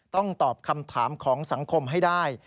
ต้องตอบคำถามของสังคมให้ได้